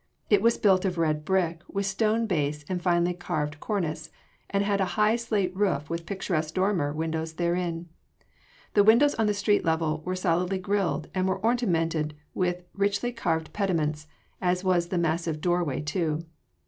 It was built of red brick with stone base and finely carved cornice, and had a high slate roof with picturesque dormer windows therein. The windows on the street level were solidly grilled and were ornamented with richly carved pediments, as was the massive doorway too.